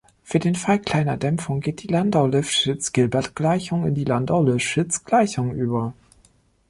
Für den Fall kleiner Dämpfung geht die Landau-Lifschitz-Gilbert-Gleichung in die Landau-Lifschitz-Gleichung über.